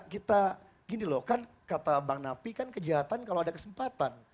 kita gini loh kan kata bang nafi kan kejahatan kalau ada kesempatan